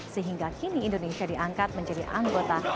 sehingga kini indonesia diangkat menjadi anggota